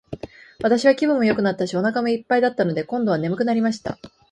私は気分もよくなったし、お腹も一ぱいだったので、今度は睡くなりました。